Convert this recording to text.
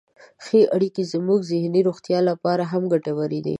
ښې اړیکې زموږ ذهني روغتیا لپاره هم ګټورې دي.